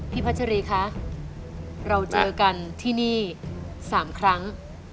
พัชรีคะเราเจอกันที่นี่๓ครั้ง